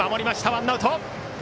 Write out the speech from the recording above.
ワンアウト。